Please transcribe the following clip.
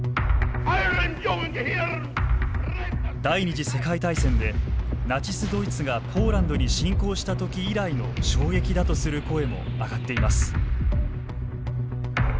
第２次世界大戦でナチス・ドイツがポーランドに侵攻したとき以来の衝撃だとする声も上がっています。